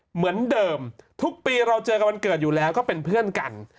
เหมือนเดิมทุกปีเราเจอกับวันเกิดอยู่แล้วก็เป็นเพื่อนกัน